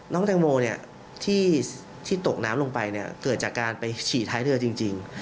น้องแตงโมที่ตกน้ำลงไปเกิดจากการไปฉี่ท้ายเรือจริง